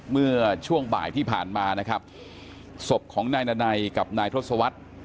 เมื่อช่วงบ่ายที่ผ่านมานะครับศพของนายนาไนกับนายทศวรรษ